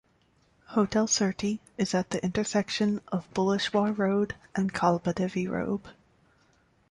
Hotel Surti is at the intersection of Bhuleshwar Road and Kalbadevi Road.